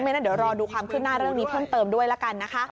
งั้นเดี๋ยวรอดูความขึ้นหน้าเรื่องนี้เพิ่มเติมด้วยละกันนะคะ